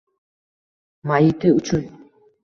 Mayiti uchun